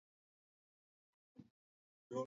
mara nyingi hufuata Ubuddha Kuhusu watu wasio